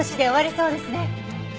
そうですね。